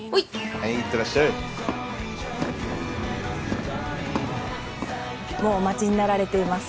はい行ってらっしゃいもうお待ちになられています